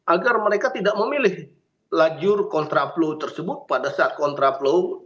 agar mereka tidak memilih lajur kontraplo tersebut pada saat kontraplow